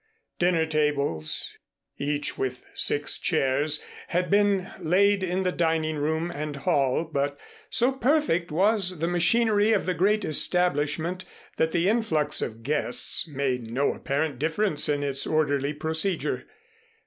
Dinner tables, each with six chairs, had been laid in the dining room and hall, but so perfect was the machinery of the great establishment that the influx of guests made no apparent difference in its orderly procedure.